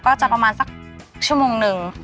ก็จะประมาณสักชั่วโมงหนึ่ง